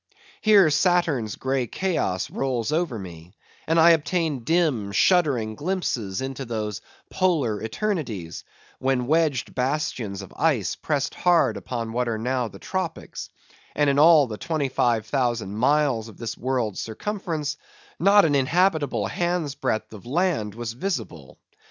Here Saturn's grey chaos rolls over me, and I obtain dim, shuddering glimpses into those Polar eternities; when wedged bastions of ice pressed hard upon what are now the Tropics; and in all the 25,000 miles of this world's circumference, not an inhabitable hand's breadth of land was visible.